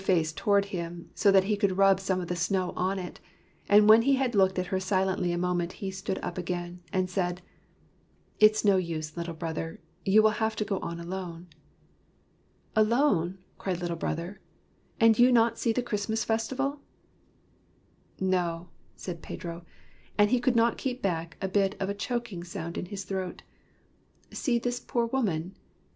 v^v^v/ ,*TAV, Page IQ I cannot bear to go on alone WHY THE CHIMES RANG toward him, so that he could rub some of the snow on it, and when he had looked at her silently a moment he stood up again, and said: " It's no use, Little Brother. You will have to go on alone." "Alone?" cried Little Brother. "And you not see the Christmas festival? "" No," said Pedro, and he could not keep back a bit of a choking sound in his throat. " See this poor woman.